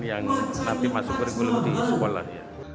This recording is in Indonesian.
yang nanti masuk kurikulum di sekolah